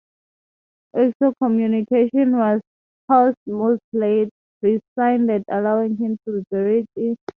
Mepeham's excommunication was posthumously rescinded allowing him to be buried in Canterbury Cathedral.